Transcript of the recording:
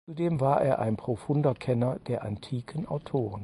Zudem war er ein profunder Kenner der antiken Autoren.